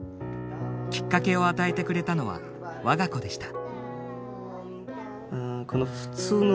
きっかけを与えてくれたのは我が子でした。